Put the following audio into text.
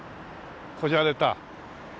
こじゃれた。